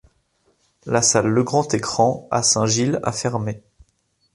La salle Le Grand Ecran à Saint-Gilles a fermé.